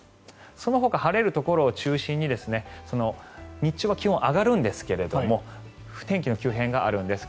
そのほか晴れるところを中心に日中は気温上がるんですが天気の急変があるんです。